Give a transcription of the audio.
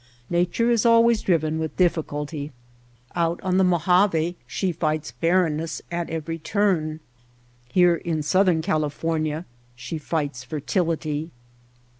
Nature is always driven with difficulty. Out on the Mojave she fights barrenness at every turn; here in Southern California she fights fertility.